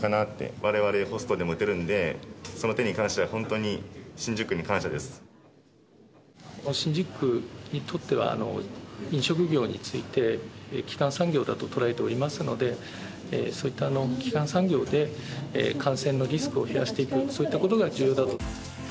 われわれ、ホストでも打てるんで、その点に関しては、本当に新宿区に感謝で新宿区にとっては、飲食業について基幹産業だと捉えておりますので、そういった基幹産業で、感染のリスクを減らしていく、そういったことが重要だと。